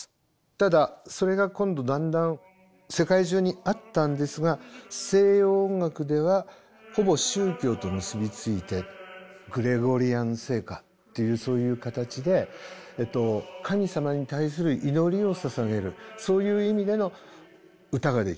ただそれが今度だんだん世界中にあったんですが西洋音楽ではほぼ宗教と結び付いてグレゴリアン聖歌っていうそういう形で神様に対する祈りをささげるそういう意味での歌ができます。